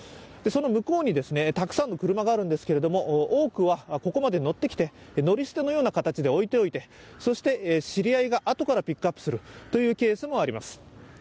その向こうにたくさんの車があるんですけれども、多くはここまで乗ってきて、乗り捨てのような形で置いておいて、そして知り合いがあとからピックアップするというケースもあります。